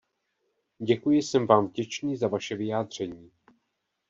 Děkuji, jsem vám vděčný za vaše vyjádření.